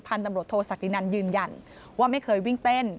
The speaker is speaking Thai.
ตำรวจโทษศักดินันยืนยันว่าไม่เคยวิ่งเต้น